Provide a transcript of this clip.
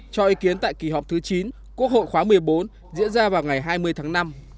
cho ý kiến tại kỳ họp thứ chín quốc hội khóa một mươi bốn diễn ra vào ngày hai mươi tháng năm